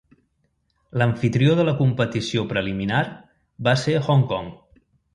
L'amfitrió de la competició preliminar va ser Hong Kong.